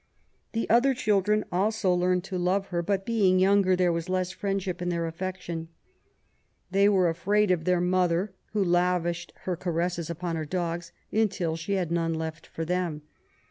The other children also learned to love her, but being younger there was less friendship in their affection. They were afraid of their mother^ who lavished her caresses upon her dogs^ until she had none left for them.